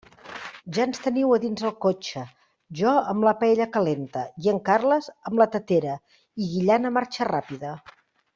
Ja ens teniu a dins el cotxe, jo amb la paella calenta i en Carles amb la tetera i guillant a marxa ràpida.